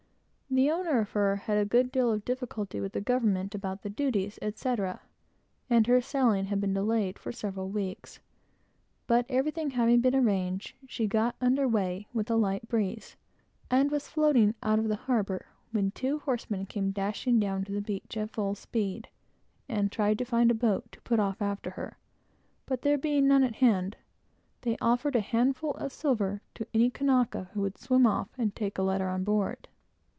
The owner of her had had a good deal of difficulty with the government about the duties, etc., and her sailing had been delayed for several weeks; but everything having been arranged, she got under weigh with a light breeze, and was floating out of the harbor, when two horsemen came dashing down to the beach, at full speed, and tried to find a boat to put off after her; but there being none on the beach, they offered a handful of silver to any Kanaka who would swim off and take a letter on board.